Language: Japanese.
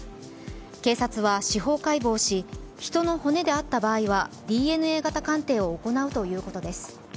警察は司法解剖し、人の骨であった場合はＤＮＡ型鑑定を行うということです。